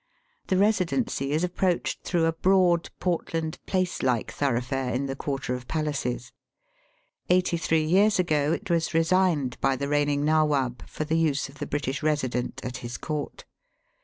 The Eesidency is approached through a broad Portland Place like thoroughfare in the Quarter of Palaces. Eighty three years ago it was resigned by the reigning Nawab for the use of the British Eesident at his court.